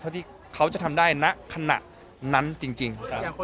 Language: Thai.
ที่เขาจะทำได้ณขณะนั้นจริง